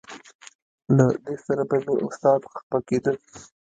له دې سره به مې استاد خپه کېده.